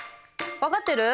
分かってる？